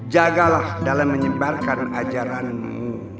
jagalah dalam menyebarkan ajaran mu